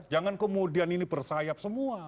jangan kemudian ini bersayap semua